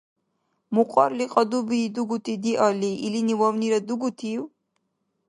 Мукьарли кьадуби дугути диалли, илини вавнира дугутив?